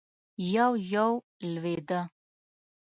يو- يو لوېده.